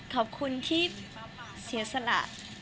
ขอบคุณที่เสียสละ